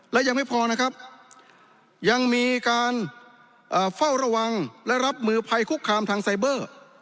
และยังไม่พอนะครับยังมีการเฝ้าระวังและรับมือภัยคุกคามทางไซเบอร์